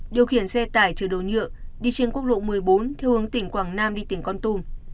điều khiển xe tải chở đồ nhựa đi trên quốc lộ một mươi bốn theo hướng tỉnh quảng nam đi tỉnh con tum